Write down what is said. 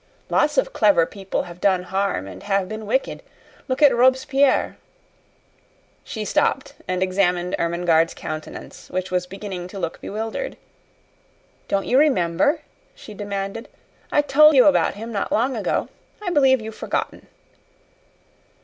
Lots of clever people have done harm and have been wicked. Look at Robespierre " She stopped and examined Ermengarde's countenance, which was beginning to look bewildered. "Don't you remember?" she demanded. "I told you about him not long ago. I believe you've forgotten."